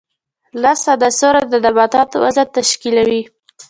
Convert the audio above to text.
لس عنصره د نباتاتو وزن تشکیلوي.